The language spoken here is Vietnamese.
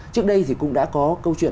trước đây thì cũng đã có câu chuyện